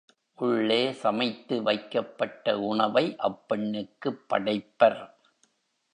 உள்ளே சமைத்து வைக்கப்பட்ட உணவை அப்பெண்ணுக்குப் படைப்பர்.